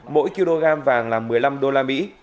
mỗi kg vàng là một mươi năm đô la mỹ